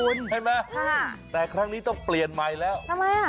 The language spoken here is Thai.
เห็นไหมค่ะแต่ครั้งนี้ต้องเปลี่ยนใหม่แล้วทำไมอ่ะ